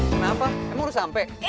kenapa emang udah sampe